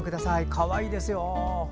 かわいいですよ。